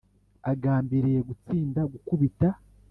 Agambiriye gutsinda gukubita